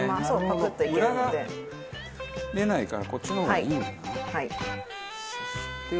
無駄が出ないからこっちの方がいいんだな。